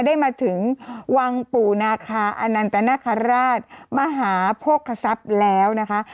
ได้มาถึงวังปู่นาคาอนันตนาคาราชมหาโภคศัพย์แล้วนะคะ